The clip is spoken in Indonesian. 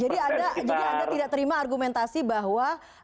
jadi anda tidak terima argumentasi bahwa